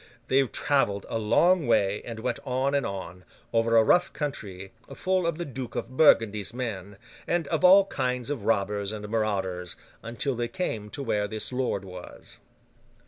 They travelled a long way and went on and on, over a rough country, full of the Duke of Burgundy's men, and of all kinds of robbers and marauders, until they came to where this lord was.